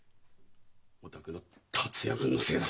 お宅の達也君のせいだ。